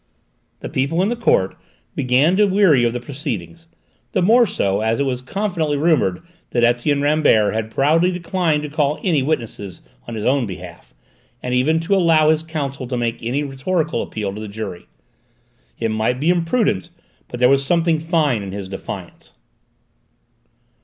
The people in the court began to weary of the proceedings, the more so as it was confidently rumoured that Etienne Rambert had proudly declined to call any witnesses on his behalf, and even to allow his counsel to make any rhetorical appeal to the jury. It might be imprudent, but there was something fine in his defiance.